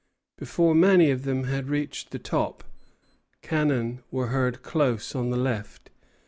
Before many of them had reached the top, cannon were heard close on the left.